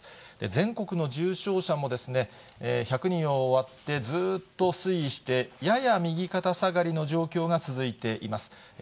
全国の重症者も１００人を割って、ずっと推移して、やや右肩下がりの状況が続いています。